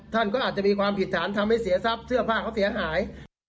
ท่านก็อาจจะมีความผิดฐานทำให้เสียทรัพย์เสื้อผ้าเขาเสียหาย